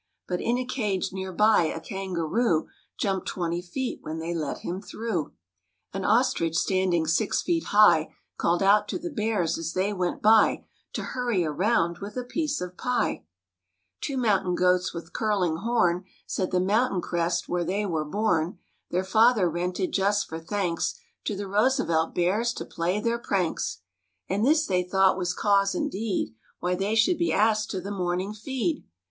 But in a cage near by a kangaroo Jumped twenty feet when they let him through. 128 MORE ABOUT THE ROOSEVELT BEARS THE BEARS VISIT THE ZOO 129 Two mountain goats with curling horn Said the mountain crest where they were bom, Their father rented just for thanks To the Roosevelt Bears to play their pranks, And this they thought was cause indeed Why they should be asked to the morning feed.